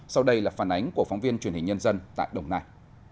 sau đây là phản ánh của phóng viên truyền hình nhân dân tại đồng nai